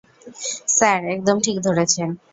Sir, একদম ঠিক ধরেছেন।